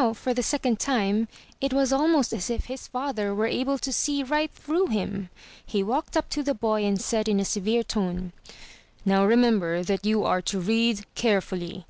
408 THROUGH FAIRY HALLS the second time, it was almost as if his father were able to see right through him. He walked up to the boy and said in a severe tone: "Now remember that you are to read carefully!